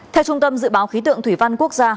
theo trung tâm dự báo khí tượng thủy văn quốc gia